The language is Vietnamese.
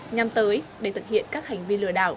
nhằm tới để thực hiện các hành vi lừa đảo